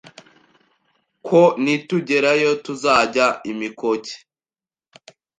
ko nitugerayo tuzajya imikoke